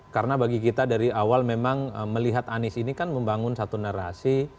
karena bagi kita dari awal memang melihat anies ini kan membangun satu narasi